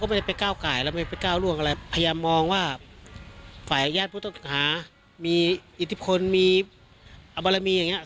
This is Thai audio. มียื่นชมที่ที่มีการเปิดกระเบิด